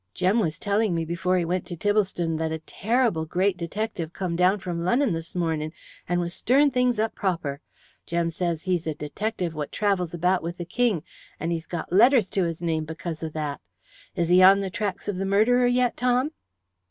"Jem was telling me before he went to Tibblestone that a ter'ble gre'at detective come down from Lunnon this mornin', and was stirrin' up things proper. Jem says he's a detective what travels about with the King, and 'e's got letters to his name because of that. Is he on the tracks of the murderer yet, Tom?"